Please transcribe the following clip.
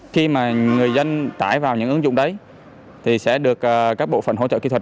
khi mà người dân tải vào những ứng dụng đấy thì sẽ được các bộ phận hỗ trợ kỹ thuật